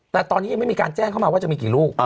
แต่ตอนนี้ยังไม่มีการแจ้งเข้ามาว่าจะมีกี่ลูก